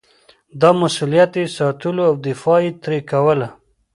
دا مسووليت یې ساتلو او دفاع یې ترې کوله.